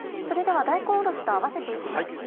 それでは大根おろしと合わせて行きます。